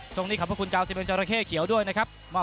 ส่งนี้ขอบคุณเก่า๑๑จระเคฮ์เขียวด้วยนะครับ